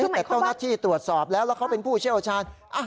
แต่เจ้าหน้าที่ตรวจสอบแล้วแล้วเขาเป็นผู้เชี่ยวชาญ